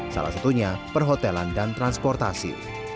salah satunya perhotelan dan transportasi